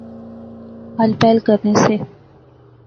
ہل پہل کرنے سے